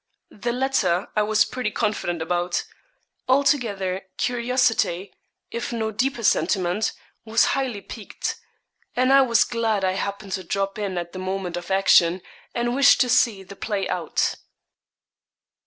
The latter, I was pretty confident about. Altogether, curiosity, if no deeper sentiment, was highly piqued; and I was glad I happened to drop in at the moment of action, and wished to see the play out.